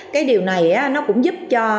cái điều này nó cũng giúp cho